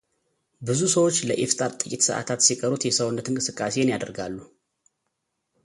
ብዙ ሰዎች ለኢፍጣር ጥቂት ሰዓታት ሲቀሩት የሰውነት እንቅስቃሴን ያደርጋሉ።